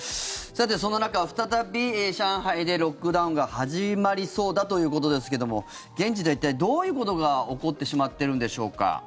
そんな中、再び上海でロックダウンが始まりそうだということですけども現地では一体、どういうことが起こってしまっているのでしょうか。